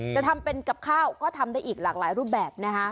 จะทำเป็นกับข้าวก็ทำได้อีกหลากหลายรูปแบบนะคะ